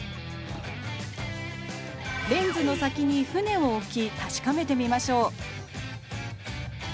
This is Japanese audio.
レンズの先に船を置き確かめてみましょう。